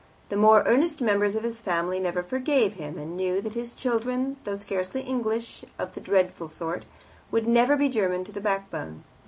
The more earnest members of his family never forgave him, and knew that his children, though scarcely English of the dreadful sort, would never be German to the backbone.